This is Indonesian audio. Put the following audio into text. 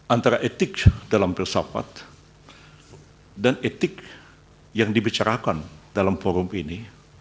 antara etik dalam filsafat dan etik yang dibicarakan dalam forum ini